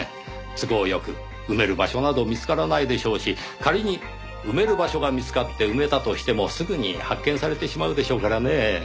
都合よく埋める場所など見つからないでしょうし仮に埋める場所が見つかって埋めたとしてもすぐに発見されてしまうでしょうからねぇ。